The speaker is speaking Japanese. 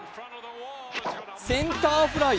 センターフライ。